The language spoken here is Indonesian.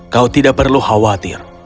kau tidak perlu khawatir